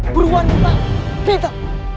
beruang minta minta